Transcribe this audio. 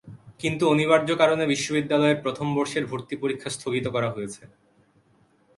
কিন্তু অনিবার্য কারণে বিশ্ববিদ্যালয়ের প্রথম বর্ষের ভর্তি পরীক্ষা স্থগিত করা হয়েছে।